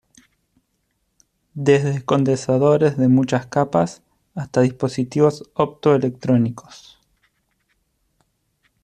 Desde condensadores de muchas capas hasta dispositivos opto-electrónicos.